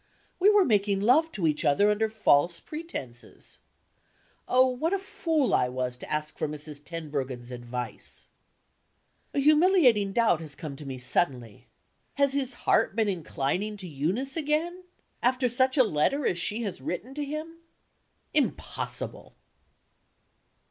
We were making love to each other under false pretenses. Oh, what a fool I was to ask for Mrs. Tenbruggen's advice! A humiliating doubt has come to me suddenly. Has his heart been inclining to Eunice again? After such a letter as she has written to him? Impossible!